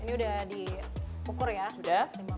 udah diukur ya sudah lima puluh dan